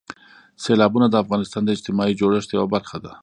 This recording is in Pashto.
سیلابونه د افغانستان د اجتماعي جوړښت یوه برخه ده.